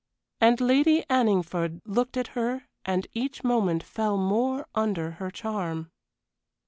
And Lady Anningford looked at her and each moment fell more under her charm.